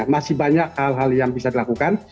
masih banyak hal hal yang bisa dilakukan